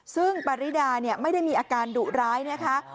ซึ่งปริดาไม่ได้มีอาการดุร้ายนะคะ